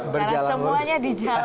karena semuanya dijalankan